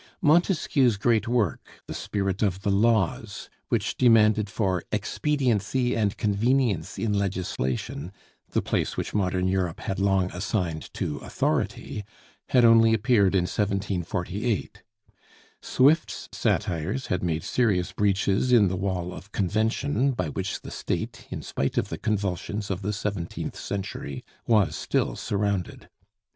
Montesquieu's great work, 'The Spirit of the Laws,' which demanded for expediency and convenience in legislation the place which modern Europe had long assigned to authority, had only appeared in 1748. Swift's satires had made serious breaches in the wall of convention by which the State, in spite of the convulsions of the seventeenth century, was still surrounded.